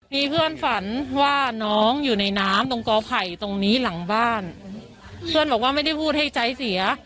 มีเพื่อนฝันว่าน้องอยู่ในน้ำตรงกอไผ่ตรงนี้หลังบ้านเพื่อนบอกว่าไม่ได้พูดให้ใจเสีย